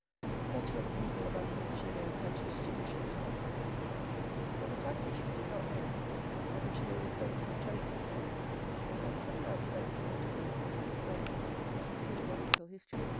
Such were the people among whom Julien had to distinguish himself; but the fact which he did not know, and which they refrained from telling him, was that coming out first in the different courses of dogma, ecclesiastical history, etc.